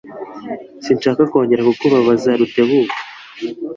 Sinshaka kongera kubabaza Rutebuka.